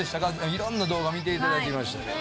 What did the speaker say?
いろんな動画見ていただきましたけど。